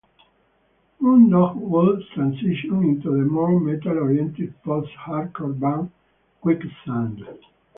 Moondog would transition into the more metal-oriented post-hardcore band Quicksand.